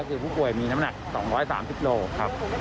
คือผู้ป่วยมีน้ำหนัก๒๓๐โลครับ